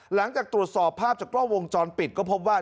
หลังจากตรวจสอบภาพจากกล้องวงจรปิดก็พบว่า